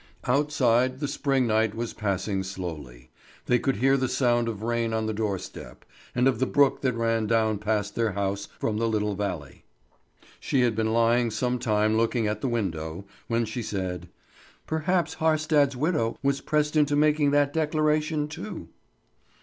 Outside the spring night was passing slowly. They could hear the sound of rain on the doorstep, and of the brook that ran down past their house from the little valley. She had been lying some time looking at the window, when she said: "Perhaps Haarstad's widow was pressed into making that declaration too!"